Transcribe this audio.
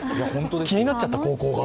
気になっちゃった、高校が。